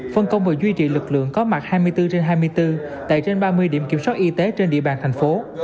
phân công và duy trì lực lượng có mặt hai mươi bốn trên hai mươi bốn tại trên ba mươi điểm kiểm soát y tế trên địa bàn thành phố